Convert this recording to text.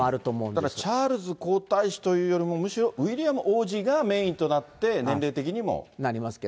ただチャールズ皇太子というよりも、むしろウィリアム王子がメインとなって、年齢的にも。